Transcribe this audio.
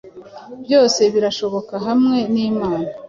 Byose birashoboka hamwe n’Imana